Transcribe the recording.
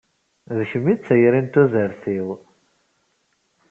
D kemm i d tayri n tudert-iw.